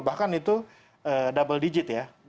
bahkan itu double digit ya